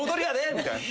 みたいな。